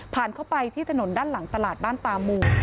เข้าไปที่ถนนด้านหลังตลาดบ้านตามู